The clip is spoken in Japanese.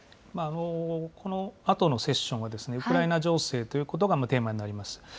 このあとのセッションは、ウクライナ情勢ということがテーマになります。